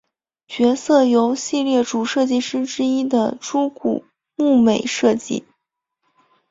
角色由系列主设计师之一的猪股睦美设计。